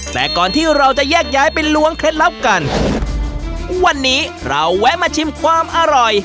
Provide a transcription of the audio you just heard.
แต่ก่อนที่เราจะแยกย้ายไปล้วงเคล็ดลับกันวันนี้เราแวะมาชิมความอร่อย